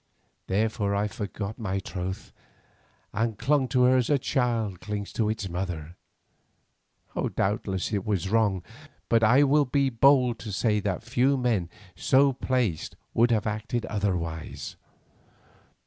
Therefore I forgot my troth and clung to her as a child clings to its mother. Doubtless it was wrong, but I will be bold to say that few men so placed would have acted otherwise.